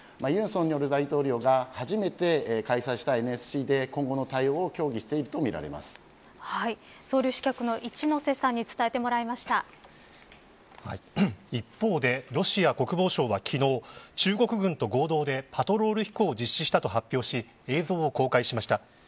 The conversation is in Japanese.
尹錫悦大統領が初めて開催したＮＳＣで今後の対応をソウル支局の一ノ瀬さんに一方でロシア国防省は昨日中国軍と合同でパトロール飛行を実施したと発表し映像を公開しました。